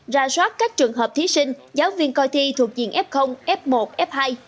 ra soát các trường hợp thí sinh giáo viên coi thi thuộc diện f f một f hai